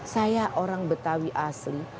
saya orang betawi asli